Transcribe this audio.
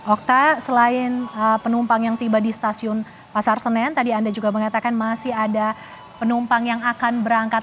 okta selain penumpang yang tiba di stasiun pasar senen tadi anda juga mengatakan masih ada penumpang yang akan berangkat